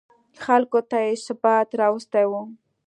خلکو ته یې ثبات راوستی و.